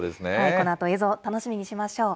このあと映像、楽しみにしましょう。